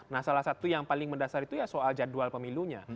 nah salah satu yang paling mendasar itu ya soal jadwal pemilunya